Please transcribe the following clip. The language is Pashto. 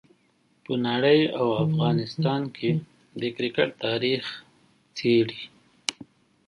په نړۍ او افغانستان کې د کرکټ تاریخ څېړي.